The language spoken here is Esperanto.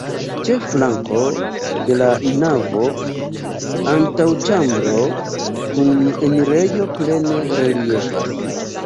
Ĉe flanko de la navo antaŭĉambro kun enirejo plene reliefas.